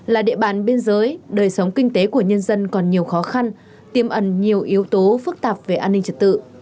là địa bàn biên giới đời sống kinh tế của nhân dân còn nhiều khó khăn tiềm ẩn nhiều yếu tố phức tạp về an ninh trật tự